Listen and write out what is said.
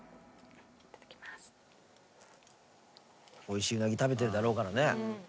おいしいうなぎ食べてるだろうからね。